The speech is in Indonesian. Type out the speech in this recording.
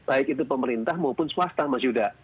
baik itu pemerintah maupun swasta mas yuda